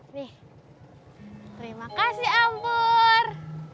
terima kasih ompur